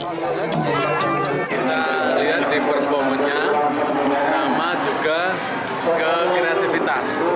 kita lihat di performanya sama juga ke kreativitas